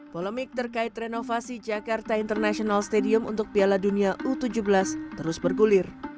polemik terkait renovasi jakarta international stadium untuk piala dunia u tujuh belas terus bergulir